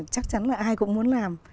chắc chắn là ai cũng muốn làm